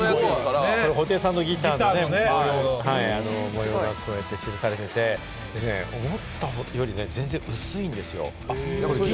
布袋さんのギターの模様が記されていて、思ったより全然薄いんですよ。